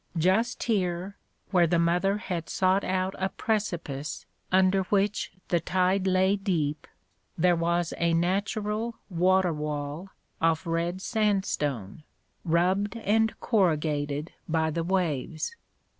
Just here, where the mother had sought out a precipice under which the tide lay deep, there was a natural water wall of red sandstone, rubbed and corrugated by the waves.